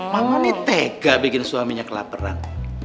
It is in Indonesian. mama ini tega bikin suaminya kelaperan